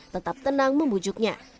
tetap tenang memujuknya